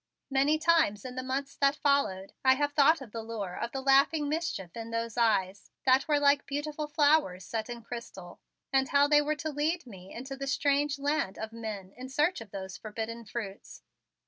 Many times in the months that followed have I thought of the lure of the laughing mischief in those eyes that were like beautiful blue flowers set in crystal, and how they were to lead me on into the strange land of men in search of those forbidden fruits.